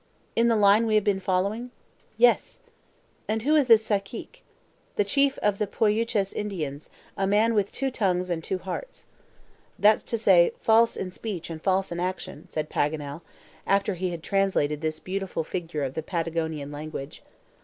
"In the line we have been following?" "Yes." "And who is this Cacique?" "The chief of the Poyuches Indians, a man with two tongues and two hearts." "That's to say false in speech and false in action," said Paganel, after he had translated this beautiful figure of the Patagonian language.